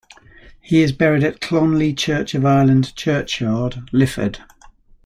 He is buried at Clonleigh Church of Ireland Churchyard, Lifford.